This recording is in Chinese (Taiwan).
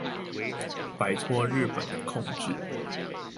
擺脫日本的控制